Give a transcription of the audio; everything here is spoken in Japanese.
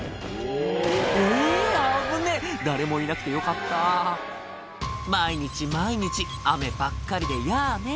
えぇ危ねぇ誰もいなくてよかった「毎日毎日雨ばっかりでやね」